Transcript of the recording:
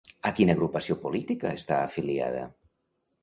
A quina agrupació política està afiliada?